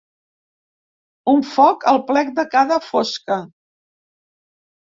Un foc al plec de cada fosca.